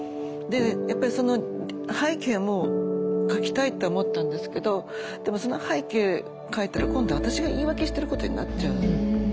でその背景も書きたいと思ったんですけどでもその背景書いたら今度は私が言い訳してることになっちゃう。